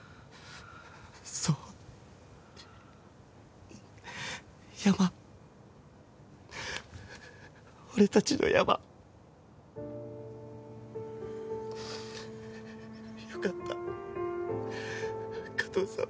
そう山俺達の山よかった加藤さん